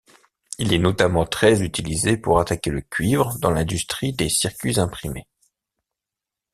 Il est notamment très utilisé pour attaquer le cuivre dans l'industrie des circuits imprimés.